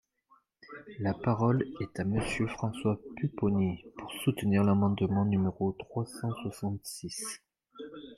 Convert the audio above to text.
La parole est à Monsieur François Pupponi, pour soutenir l’amendement numéro trois cent soixante-six.